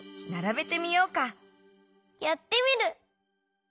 やってみる！